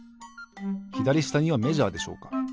ひだりしたにはメジャーでしょうか？